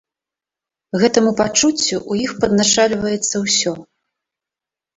Гэтаму пачуццю ў іх падначальваецца ўсё.